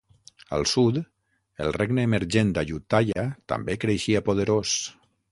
Al sud, el Regne emergent d'Ayutthaya també creixia poderós.